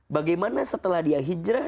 bagaimana setelah dia hijrah